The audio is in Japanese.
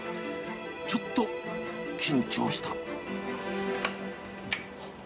ちょっと緊張した。